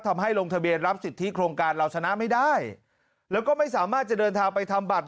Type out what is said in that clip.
ทำให้ลงทะเบียนรับสิทธิโครงการเราชนะไม่ได้แล้วก็ไม่สามารถจะเดินทางไปทำบัตร